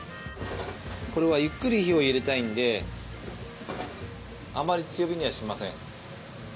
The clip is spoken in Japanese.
これはゆっくり火を入れたいんであまり強火にはしません。